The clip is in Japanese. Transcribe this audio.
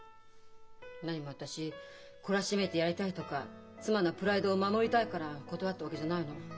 なにも私懲らしめてやりたいとか妻のプライドを守りたいから断ったわけじゃないの。